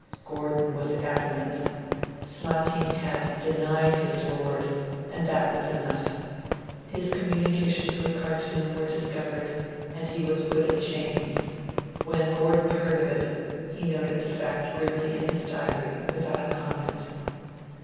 Gordon was adamant. Slatin had 'denied his Lord', and that was enough. His communications with Khartoum were discovered and he was put in chains. When Gordon heard of it, he noted the fact grimly in his diary, without a comment.